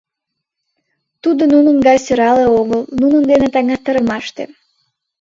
— Тудо нунын гай сӧрале огыл, нунын дене таҥастарымаште.